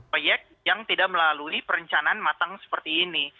proyek yang tidak melalui perencanaan matang seperti ini